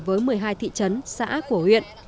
với một mươi hai thị trấn xã của huyện